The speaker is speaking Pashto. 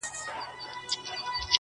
وژني بېګناه انسان ګوره چي لا څه کیږي!!